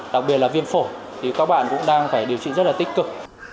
đặc biệt là viêm phổi thì các bạn cũng đang phải điều trị rất là tích cực